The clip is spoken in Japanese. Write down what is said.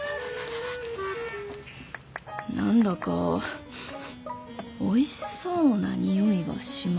何だかおいしそうな匂いがしますね。